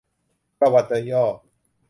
ประวัติโดยย่อ